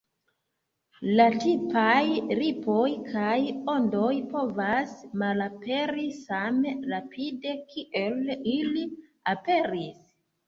La tipaj ripoj kaj ondoj povas malaperi same rapide kiel ili aperis.